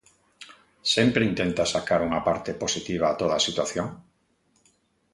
Sempre intenta sacar unha parte positiva a toda situación?